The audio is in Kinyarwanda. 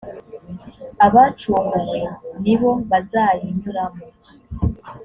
abacunguwe ni bo bazayinyuramo.